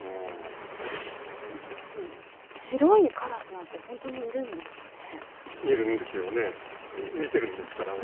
白いカラスなんて本当にいるんですかね。